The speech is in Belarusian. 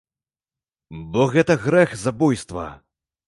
Бо гэта грэх забойства.